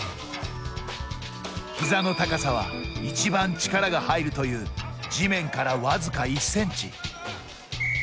ひざの高さは一番力が入るという地面から、僅か１ｃｍ。